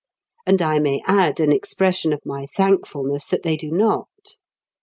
And I may add an expression of my thankfulness that they do not.